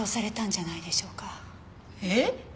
えっ！？